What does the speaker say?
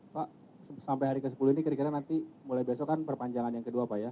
pak sampai hari ke sepuluh ini kira kira nanti mulai besok kan perpanjangan yang kedua pak ya